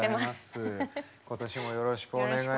今年もよろしくお願いします。